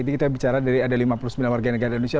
kita bicara dari ada lima puluh sembilan warga negara indonesia